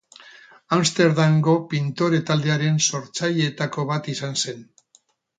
Amsterdamgo pintore-taldearen sortzailetako bat izan zen.